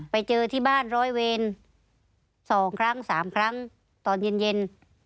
ไปเจอที่บ้านร้อยเวร๒ครั้ง๓ครั้งตอนเย็น